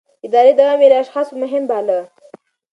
د ادارې دوام يې له اشخاصو مهم باله.